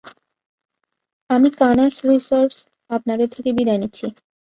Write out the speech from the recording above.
আমি কানাস রিচার্ডস, আপনাদের থেকে বিদায় নিচ্ছি।